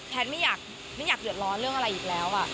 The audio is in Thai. ไม่อยากเดือดร้อนเรื่องอะไรอีกแล้ว